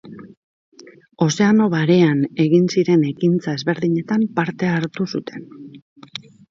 Ozeano Barean egin ziren ekintza ezberdinetan parte hartu zuten.